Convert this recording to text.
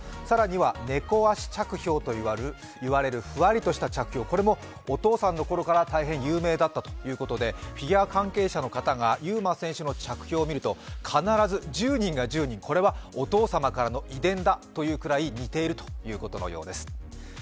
更には、猫足着氷といわれるふわりとした着氷、これもお父さんのころから大変有名だったということでフィギュア関係者の方が優真選手の滑りを見ると必ず、１０人が１０人、これはお父様からの遺伝だと言うくらい似ているということのようです。